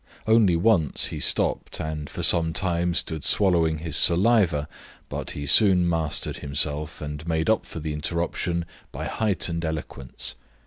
Only once he stopped and for some time stood swallowing his saliva, but he soon mastered himself and made up for the interruption by heightened eloquence.